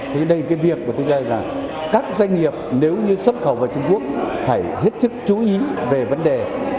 thế nên cái việc của tôi cho là các doanh nghiệp nếu như xuất khẩu vào trung quốc phải hết sức chú ý về vấn đề